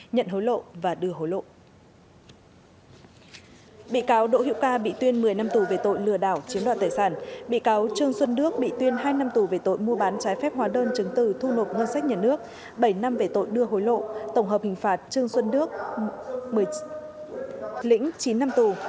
bảy năm về tội đưa hối lộ tổng hợp hình phạt trương xuân đức lĩnh chín năm tù